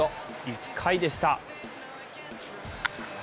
１回でした。